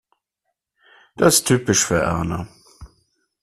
Das ist typisch für Erna.